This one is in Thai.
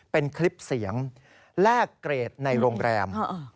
เป็นคลิปเสียงแลกเกรดในโรงแรม